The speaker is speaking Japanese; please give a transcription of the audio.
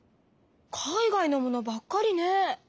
海外のものばっかりね。